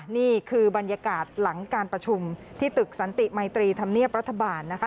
นี่คือบรรยากาศหลังการประชุมที่ตึกสันติมัยตรีธรรมเนียบรัฐบาลนะคะ